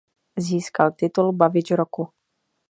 Získal titul Bavič roku.